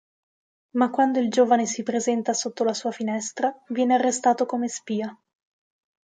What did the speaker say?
Ma quando il giovane si presenta sotto la sua finestra, viene arrestato come spia.